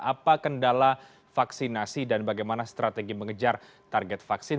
apa kendala vaksinasi dan bagaimana strategi mengejar target vaksin